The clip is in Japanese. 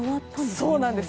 そうなんですよ。